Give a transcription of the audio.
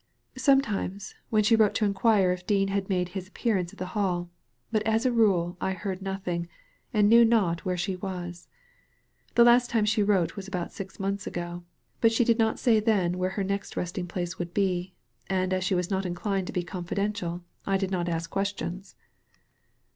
"Sometimes, when she wrote to inquire if Dean had made his appearance at the Hall, but as a rule I heard nothing, and knew not where she was. The last time she wrote was about six months ago, but* she did not say then where her next resting place would be, and as she was not inclined to be confidendali I did not ask questions."